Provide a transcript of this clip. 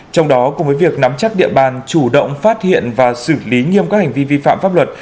trong đó cùng với việc nắm chắc địa bàn chủ động phát hiện và xử lý nghiêm các hành vi vi phạm pháp luật